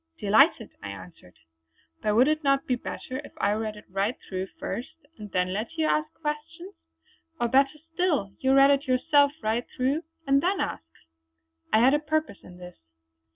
"Delighted!" I answered, "But would it not be better if I read it right through first, and then let you ask questions! Or better still you read it yourself right through, and then ask." I had a purpose in this.